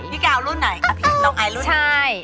เร้ากันต้องเอารุ่นไหนน้องไอรุ่นไหนนะครับเพียรติปล่ะใช่